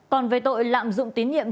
còn về tội lạm dụng tín nhiệm